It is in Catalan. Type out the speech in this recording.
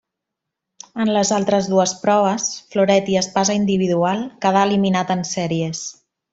En les altres dues proves, floret i espasa individual, quedà eliminat en sèries.